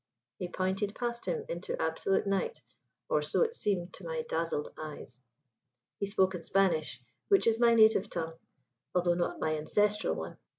He pointed past him into absolute night, or so it seemed to my dazzled eyes. He spoke in Spanish, which is my native tongue although not my ancestral one.